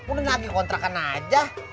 udah nagih kontrakan aja